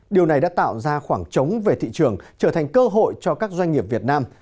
điều này đã tạo ra khoảng trống về thị trường trở thành cơ hội cho các doanh nghiệp việt nam